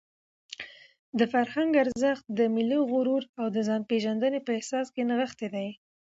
د فرهنګ ارزښت د ملي غرور او د ځانپېژندنې په احساس کې نغښتی دی.